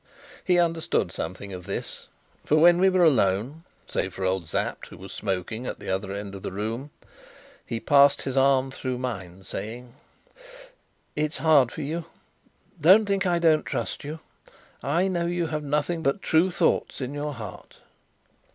He understood something of this, for when we were alone (save for old Sapt, who was smoking at the other end of the room) he passed his arm through mine, saying: "It's hard for you. Don't think I don't trust you; I know you have nothing but true thoughts in your heart."